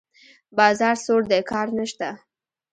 بازار سوړ دی؛ کار نشته.